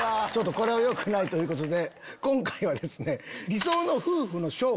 これはよくないということで今回はですね。